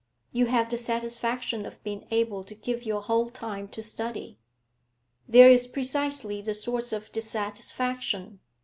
'You have the satisfaction of being able to give your whole time to study.' 'There is precisely the source of dissatisfaction.